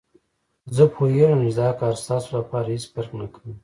زه پوهېږم چې دا کار ستاسو لپاره هېڅ فرق نه کوي.